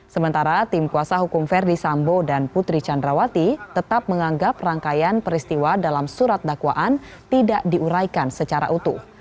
sementara tim kuasa hukum verdi sambo dan putri candrawati tetap menganggap rangkaian peristiwa dalam surat dakwaan tidak diuraikan secara utuh